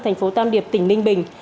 tp tam điệp tỉnh ninh bình